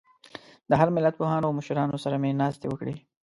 د هر ملت پوهانو او مشرانو سره مې ناستې وکړې.